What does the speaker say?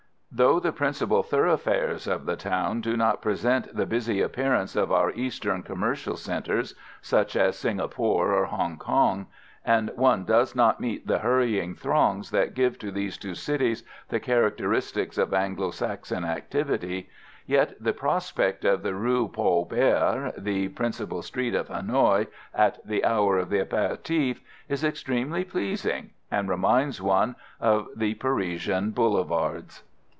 Though the principal thoroughfares of the town do not present the busy appearance of our Eastern commercial centres, such as Singapore or Hong Kong, and one does not meet the hurrying throngs that give to these two cities the characteristics of Anglo Saxon activity, yet the prospect of the Rue Paul Bert, the principal street at Hanoï, at the hour of the aperitif, is extremely pleasing, and reminds one of the Parisian boulevards.